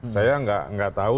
saya gak tau